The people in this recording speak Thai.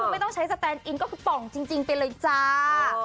ไม่ต้องใช้สแตนอินก็คือป่องจริงไปเลยจ้า